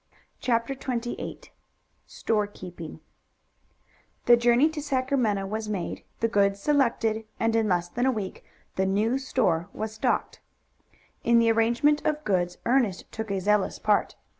CHAPTER XXVIII STOREKEEPING The journey to Sacramento was made, the goods selected, and in less than a week the new store was stocked. In the arrangement of goods Ernest took a zealous part.